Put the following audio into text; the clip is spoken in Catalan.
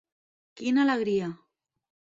Quina alegria.